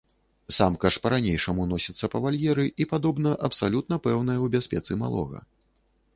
Самка ж па-ранейшаму носіцца па вальеры і, падобна, абсалютна пэўная ў бяспецы малога.